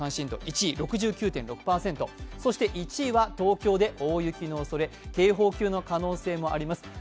そして１位は、東京で大雪のおそれ、警報級の可能性もあります。